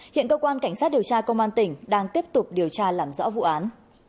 hiện cơ quan cảnh sát điều tra công an tỉnh đang tiếp tục điều tra làm rõ vụ án